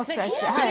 はい。